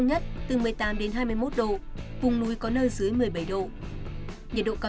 nhiệt độ thâm nhất từ một mươi tám hai mươi một độ vùng núi có nơi dưới một mươi bảy độ